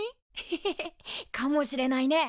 ヘヘヘヘかもしれないね。